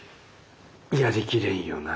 やりきれんよなあ。